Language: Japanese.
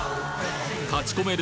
立ち込める